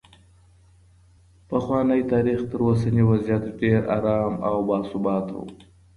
پخوانی تاریخ تر اوسني وضعیت ډېر ارام او باثباته و.